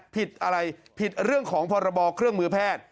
ผิดอะไรผิดเรื่องของพรบเครื่องมือแพทย์